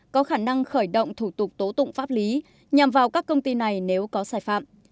có khả năng khởi động thủ tục tố tụng pháp lý nhằm vào các công ty này nếu có sai phạm